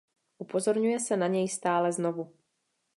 Upozorňuje se na něj stále znovu.